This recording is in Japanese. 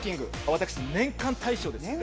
私年間大賞です